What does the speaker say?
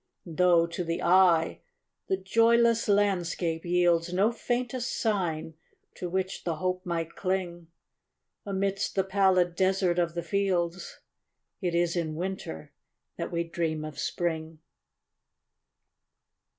Though, to the eye, the joyless landscape yieldsNo faintest sign to which the hope might cling,—Amidst the pallid desert of the fields,—It is in Winter that we dream of Spring.